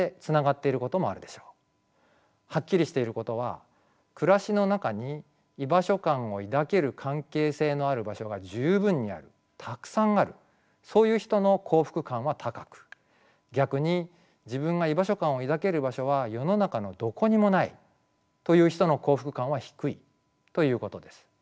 はっきりしていることは暮らしの中に居場所感を抱ける関係性のある場所が十分にあるたくさんあるそういう人の幸福感は高く逆に自分が居場所感を抱ける場所は世の中のどこにもないという人の幸福感は低いということです。